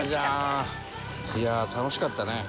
いやあ！楽しかったね。